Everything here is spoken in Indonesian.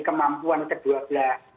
kemampuan kedua belah